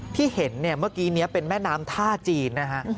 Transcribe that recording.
ที่เห็นเมื่อกี้เป็นแม่น้ำท่าจีน